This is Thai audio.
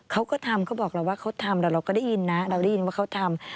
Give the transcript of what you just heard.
เขาก็ทำเขาบอกเราว่าเขาทำแต่เราก็ได้ยินนะเราได้ยินว่าเขาทำ